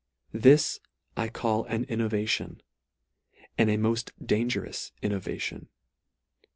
This I call an b innovation ; and a molt dangerous innovation.